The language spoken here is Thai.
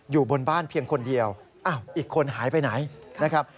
อยู่บนบ้านเพียงคนเดียวอ้าวอีกคนหายไปไหนนะครับ